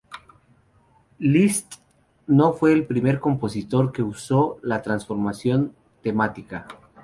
Liszt no fue el primer compositor que usó la transformación temática.